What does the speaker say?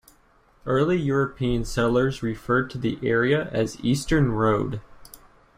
Early European settlers referred to the area as Eastern Road.